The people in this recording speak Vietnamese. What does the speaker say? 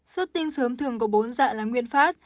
xuất tinh sớm thường có bốn dạng là nguyên phát